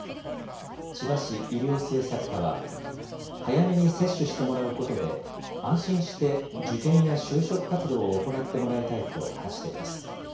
千葉市医療政策課は、早めに接種してもらうことで、安心して受験や就職活動を行ってもらいたいと話しています。